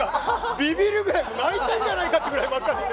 ビビるぐらい泣いてるんじゃないかというぐらい真っ赤。